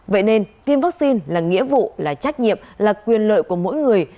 vậy nên tiêm vaccine là nghĩa vụ là trách nhiệm là quyền lợi của mỗi người